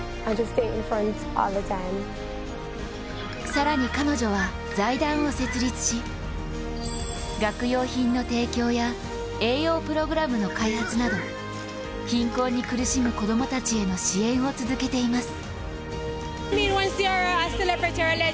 更に彼女は財団を設立し、学用品の提供や栄養プログラムの開発など貧困に苦しむ子供たちへの支援を続けています。